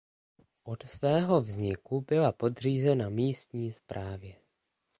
Od svého vzniku byla podřízena místní správě.